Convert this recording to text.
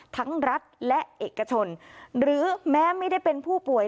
รัฐและเอกชนหรือแม้ไม่ได้เป็นผู้ป่วย